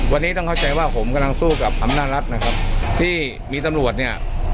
วันนี้ต้องเข้าใจว่าผมกำลังสู้กับอำนาจรัฐนะครับที่มีตำรวจเนี่ย